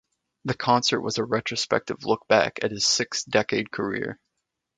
The concert was a retrospective look back at his six-decade career.